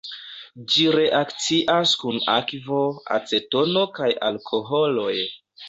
Ĝi reakcias kun akvo, acetono kaj alkoholoj.